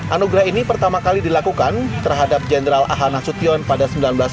anugerah ini pertama kali dilakukan terhadap jenderal ahana sutyon pada seribu sembilan ratus enam puluh lima